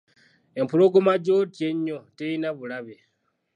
Empologoma gy’otya ennyo terina bulabe.